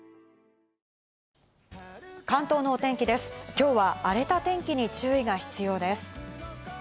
今日は荒れた天気に注意が必要です。